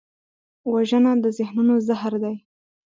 وژنه د ذهنونو زهر دی